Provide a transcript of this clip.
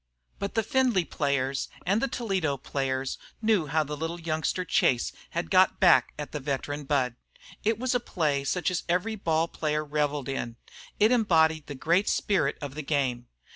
But the Findlay players and the Toledo players knew how the little youngster Chase had "got back" at the veteran Budd. It was a play such as every ball player revelled in. It embodied the great spirit of the game.